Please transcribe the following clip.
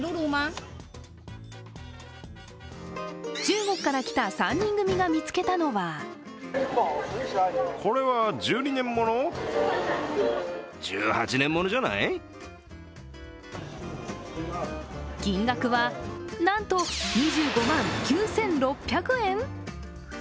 中国から来た３人組が見つけたのは金額は、なんと２５万９６００円。